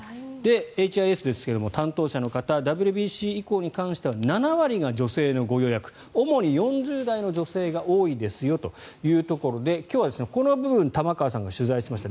エイチ・アイ・エスですけど担当者の方ＷＢＣ以降は７割が女性のご予約で主に４０代の女性が多いですよということで今日はこの部分玉川さんが取材しました。